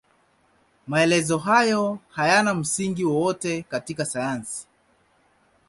Maelezo hayo hayana msingi wowote katika sayansi.